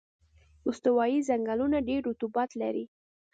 استوایي ځنګلونه ډېر رطوبت لري.